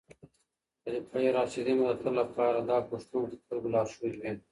خلفای راشدین به د تل لپاره د حق غوښتونکو خلکو لارښود وي.